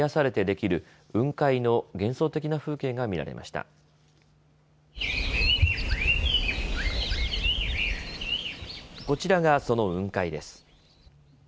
こちらが、その雲海です。